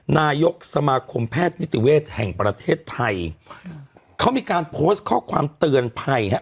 นายกสมาคมแพทย์นิติเวศแห่งประเทศไทยเขามีการโพสต์ข้อความเตือนภัยฮะ